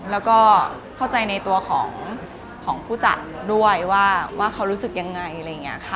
แล้วก็เข้าใจในตัวของผู้จัดด้วยว่าเขารู้สึกยังไง